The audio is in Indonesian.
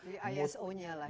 iso nya lah